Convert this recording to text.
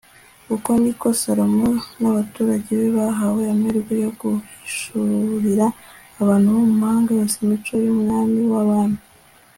uko ni ko salomo n'abaturage be bahawe amahirwe yo guhishurira abantu bo muhanga yose imico y'umwami w'abami